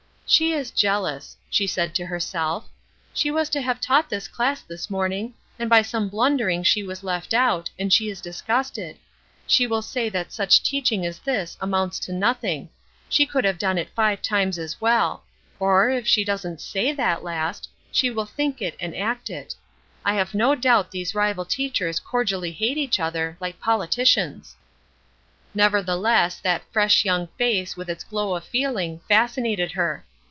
"She is jealous," she said to herself. "She was to have taught this class this morning, and by some blundering she was left out, and she is disgusted. She will say that such teaching as this amounts to nothing; she could have done it five times as well; or, if she doesn't say that last, she will think it and act it. I have no doubt these rival teachers cordially hate each other, like politicians." Nevertheless that fresh young face, with its glow of feeling, fascinated her.